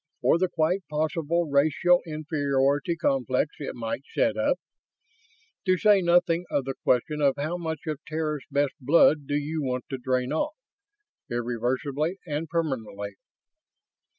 Or the quite possible racial inferiority complex it might set up? To say nothing of the question of how much of Terra's best blood do you want to drain off, irreversibly and permanently?